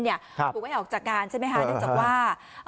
ถูกเว้ยออกจากงานใช่ไหมฮะเดี๋ยวจะบอกว่า